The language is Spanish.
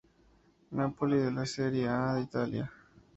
Napoli, de la Serie A de Italia.